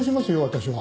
私は。